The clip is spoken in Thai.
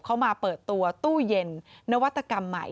เขามาเปิดตัวตู้เย็นนวัตกรรมใหม่